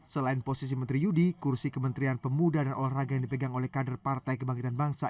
selain posisi menteri yudi kursi kementerian pemuda dan olahraga yang dipegang oleh kader partai kebangkitan bangsa